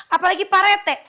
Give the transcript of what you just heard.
apalagi pak rete